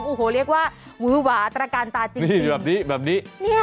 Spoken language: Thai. ศูนย์ก็มาดูวิวาปราการตาจริง